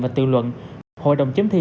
và tự luận hội đồng chấm thi